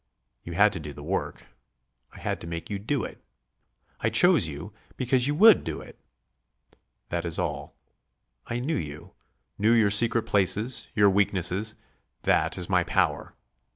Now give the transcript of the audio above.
You had to do the work; I had to make you do it. I chose you because you would do it. That is all.... I knew you; knew your secret places, your weaknesses. That is my power.